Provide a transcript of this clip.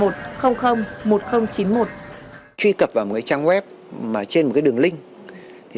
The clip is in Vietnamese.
truy cập vào một trang web trên một đường link